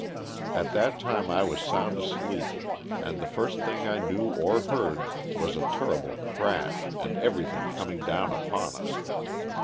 At that time I was sound asleep and the first thing I knew or heard was a terrible crash and everything coming down upon us.